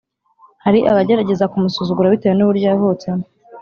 Hari abageragezaga kumusuzugura bitewe n’uburyo yavutsemo